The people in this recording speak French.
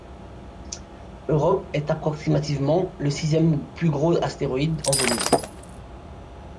Europe est approximativement le sixième plus gros astéroïde en volume.